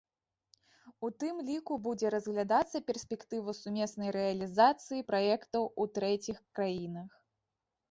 У тым ліку будзе разглядацца перспектыва сумеснай рэалізацыі праектаў у трэціх краінах.